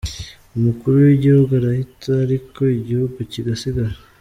Umukuru w’igihugu arahita ariko igihugu kigasigara.